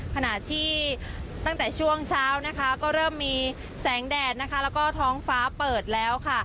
ขณะที่ตั้งแต่ช่วงเช้านะคะก็เริ่มมีแสงแดดนะคะแล้วก็ท้องฟ้าเปิดแล้วค่ะ